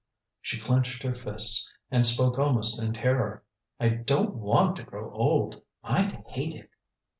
She clenched her fists, and spoke almost in terror. "I don't want to grow old. I'd hate it."